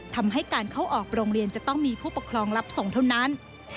ทำให้การเข้าออกโรงเรียนจะต้องมีผู้ปกครองรับส่งเท่านั้น